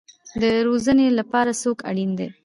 د روزنې لپاره څوک اړین دی؟